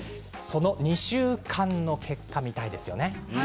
２週間の結果、見たいですよね。